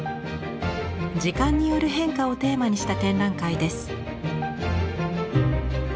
時間による変化をテーマにした展覧会です。